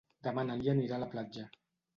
Demà na Lia anirà a la platja.